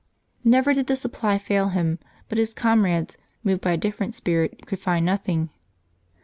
Never did the supply fail him; but his comrades, moved by a different spirit, could find nothing.